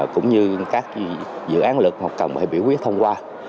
cũng như các dự án luật cần phải biểu quyết thông qua